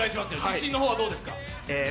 自信のほうはどうですかえ